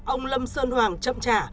ông lâm sơn hoàng chậm trả